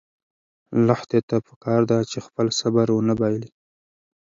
لښتې ته پکار ده چې خپل صبر ونه بایلي.